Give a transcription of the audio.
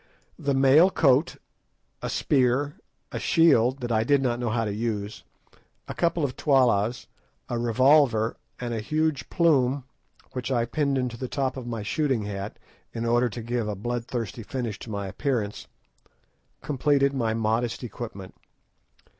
The mail coat, a spear, a shield, that I did not know how to use, a couple of tollas, a revolver, and a huge plume, which I pinned into the top of my shooting hat, in order to give a bloodthirsty finish to my appearance, completed my modest equipment.